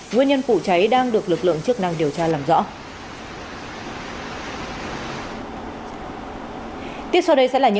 nguyên nhân vụ cháy đang được lực lượng chức năng điều tra làm rõ